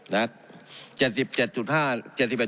นะครับ